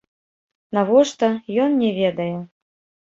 Навошта, ён не ведае.